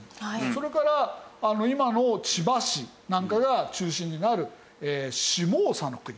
それから今の千葉市なんかが中心になる下総国。